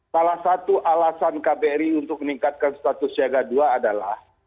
salah satu alasan kbri untuk meningkatkan status siaga dua adalah